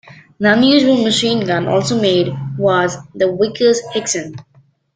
An unusual machine gun also made was the Vickers Higson.